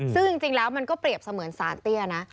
ซึ่งจริงแล้วมันก็เปรียบเสมือนสารเตี้ยนะ